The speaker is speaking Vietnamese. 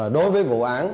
đối với vụ án